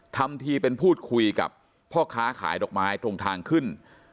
ทำทีเป็นพูดคุยกับพ่อค้าขายดอกไม้ตรงทางขึ้น